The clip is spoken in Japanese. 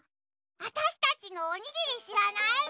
わたしたちのおにぎりしらない？